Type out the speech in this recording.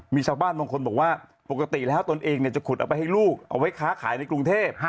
มีชาวบ้านบางคนบอกว่าปกติแล้วตนเองจะขุดเอาไปให้ลูกเอาไว้ค้าขายในกรุงเทพ